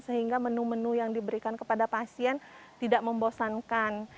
sehingga menu menu yang diberikan kepada pasien tidak membosankan